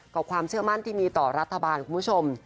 ความเชื่อมั่นที่มีต่อรัฐบาลคุณผู้ชม